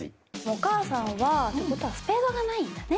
お母さんはってことはスペードがないんだね。